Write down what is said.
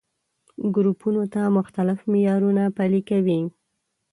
ګروپونو ته مختلف معيارونه پلي کوي.